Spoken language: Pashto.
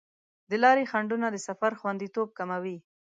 د لارې خنډونه د سفر خوندیتوب کموي.